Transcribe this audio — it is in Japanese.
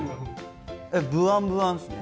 ぶわんぶわんですね。